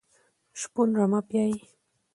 شپون رمه پيایي.